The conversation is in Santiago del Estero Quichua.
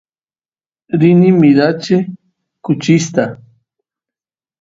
rini mirachiy kuchista